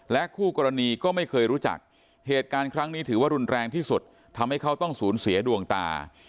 คู่กรณีก็ไม่เคยรู้จักเหตุการณ์ครั้งนี้ถือว่ารุนแรงที่สุดทำให้เขาต้องสูญเสียดวงตา